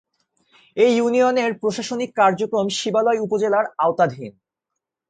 এ ইউনিয়নের প্রশাসনিক কার্যক্রম শিবালয় উপজেলার আওতাধীন